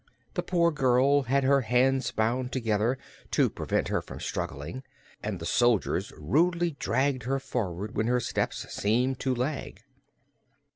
The poor girl had her hands bound together, to prevent her from struggling, and the soldiers rudely dragged her forward when her steps seemed to lag.